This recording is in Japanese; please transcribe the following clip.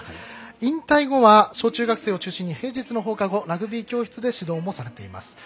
引退後は、小中学生を中心に平日の放課後ラグビー教室で指導もされています。